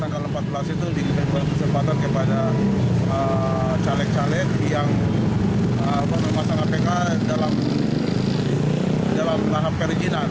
kepada caleg caleg yang memasang apk dalam tahap perizinan